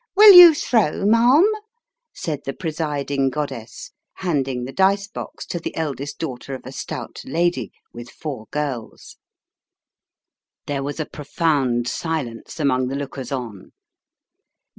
" Will you throw, ma'am ?" said the presiding goddess, handing the dice box to the eldest daughter of a stout lady, with four girls. There was a profound silence among the lookers on.